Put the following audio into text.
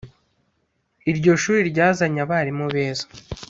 iryo shuri ryazanye abarimu beza